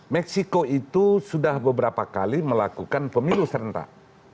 meksiko itu sudah beberapa kali melakukan pemilu serentak